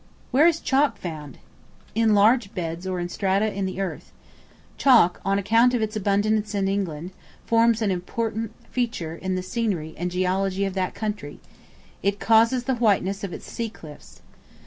Where is Chalk found? In large beds or strata in the earth. Chalk, on account of its abundance in England, forms an important feature in the scenery and geology of that country; it causes the whiteness of its sea cliffs.